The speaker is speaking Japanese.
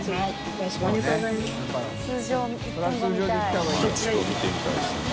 泙ちょっと見てみたいですよね